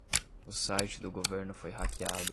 O site do governo foi hackeado